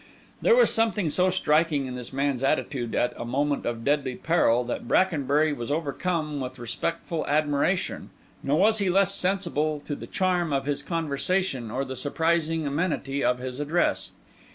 There was something so striking in this man's attitude at a moment of deadly peril that Brackenbury was overcome with respectful admiration; nor was he less sensible to the charm of his conversation or the surprising amenity of his address.